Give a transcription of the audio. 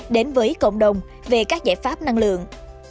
đến với cộng đồng về các giải pháp năng lượng